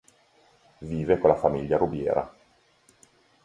Vive con la famiglia a Rubiera.